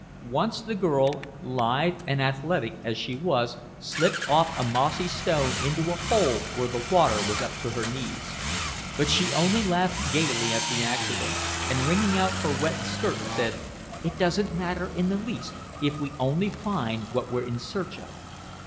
Once the girl, lithe and athletic as she was, slipped off a mossy stone into a hole where the water was up to her knees. But she only laughed gayly at the accident, and wringing out her wet skirt, said: "It doesn't matter in the least, if we only find what we're in search of."